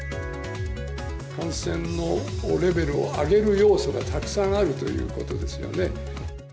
感染のレベルを上げる要素がたくさんあるということですよね。